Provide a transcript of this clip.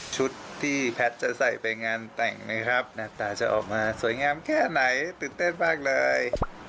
ชุดที่แพทย์จะใส่ไปงานแต่งนะครับหน้าตาจะออกมาสวยงามแค่ไหนตื่นเต้นมากเลย